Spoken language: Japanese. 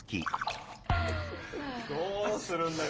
どうするんだよ！